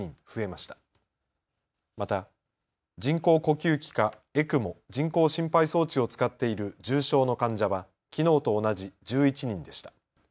また人工呼吸器かＥＣＭＯ・人工心肺装置を使っている重症の患者はきのうと同じ１１人でした。